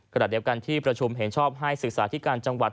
ขณะเดียวกันที่ประชุมเห็นชอบให้ศึกษาธิการจังหวัด